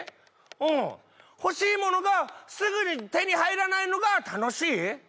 うん欲しいものがすぐに手に入らないのが楽しい？